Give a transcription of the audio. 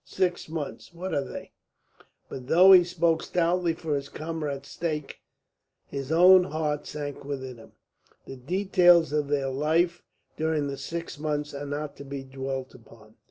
Six months, what are they?" But, though he spoke stoutly for his comrade's sake, his own heart sank within him. The details of their life during the six months are not to be dwelt upon.